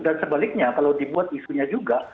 dan sebaliknya kalau dibuat isunya juga